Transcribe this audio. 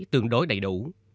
tương đối đầy đủ